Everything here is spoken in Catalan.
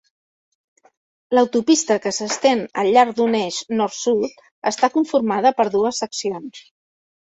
L'autopista, que s'estén al llarg d'un eix nord-sud, està conformada per dues seccions.